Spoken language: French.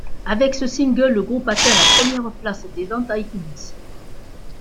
Avec ce single, le groupe atteint la première place des ventes iTunes.